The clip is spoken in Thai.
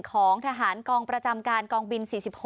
ของทหารกองประจำการกองบิน๔๖